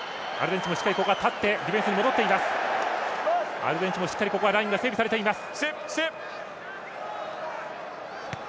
アルゼンチンも、しっかりラインが整備されています。